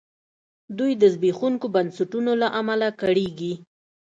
دوی د زبېښونکو بنسټونو له امله کړېږي.